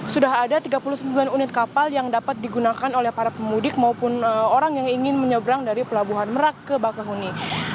sudah ada tiga puluh sembilan unit kapal yang dapat digunakan oleh para pemudik maupun orang yang ingin menyeberang dari pelabuhan merak ke bakahuni